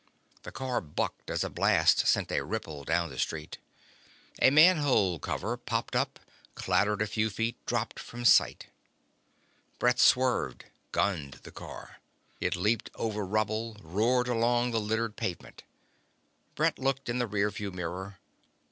The car bucked as a blast sent a ripple down the street. A manhole cover popped up, clattered a few feet, dropped from sight. Brett swerved, gunned the car. It leaped over rubble, roared along the littered pavement. Brett looked in the rear view mirror.